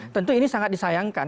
tentu ini sangat disayangkan